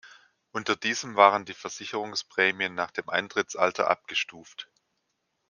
Unter diesem waren die Versicherungsprämien nach dem Eintrittsalter abgestuft.